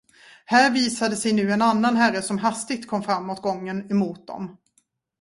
Här visade sig nu en annan herre, som hastigt kom framåt gången emot dem.